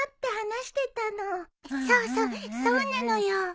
そうそうそうなのよ。